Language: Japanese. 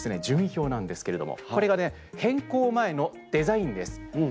順位表なんですけれどもこれがね、変更前のデザインです。